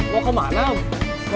mau kemana bro